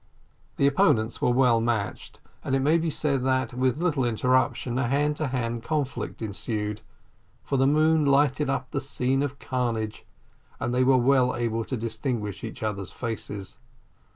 The opponents were well matched, and it may be said that, with little interruption, a hand to hand conflict ensued, for the moon lighted up the scene of carnage, and they were well able to distinguish each other's faces.